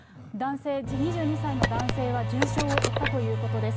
２２歳の男性が重傷を負ったということです。